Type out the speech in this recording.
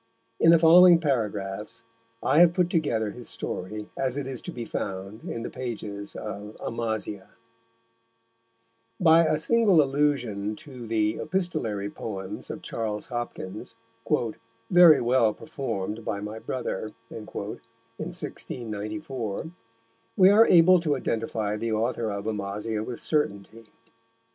In the following paragraphs I have put together his story as it is to be found in the pages of Amasia. By a single allusion to the Epistolary Poems of Charles Hopkins, "very well perform'd by my Brother," in 1694, we are able to identify the author of Amasia with certainty.